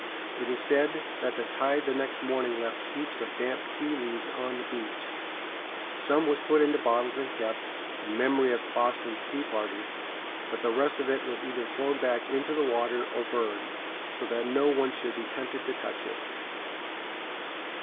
It is said that the tide the next morning left heaps of damp tea leaves on the beach. Some was put in bottles and kept, in memory of Boston's Tea Party; but the rest of it was either thrown back into the water or burned, so that no one should be tempted to touch it.